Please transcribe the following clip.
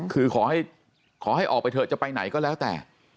คือขอให้ออกไปเถอะจะไปไหนก็แล้วแต่